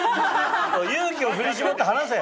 勇気を振り絞って離せ！